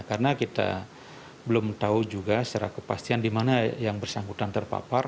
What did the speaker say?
karena kita belum tahu juga secara kepastian di mana yang bersangkutan terpapar